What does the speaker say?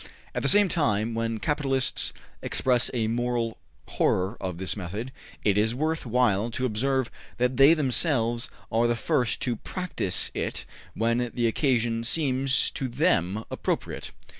At the same time, when capitalists express a moral horror of this method, it is worth while to observe that they themselves are the first to practice it when the occasion seems to them appropriate.